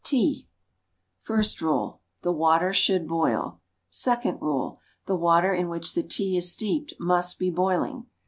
Tea. FIRST RULE. The water should boil. SECOND RULE. The water in which the tea is steeped, must be boiling.